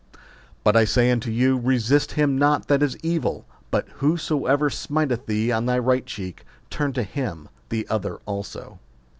But I say unto you, Resist not him that is evil : but whoso ever smiteth thee on thy right cheek, turn to him the other also.